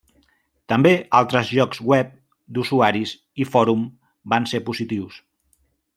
També altres llocs web d'usuaris i fòrum van ser positius.